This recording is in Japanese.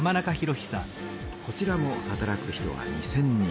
こちらも働く人は２，０００人。